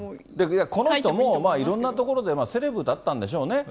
この人も、いろんなところで、セレブだったんでしょうね。